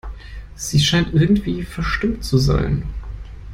Sie scheint irgendwie verstimmt zu sein.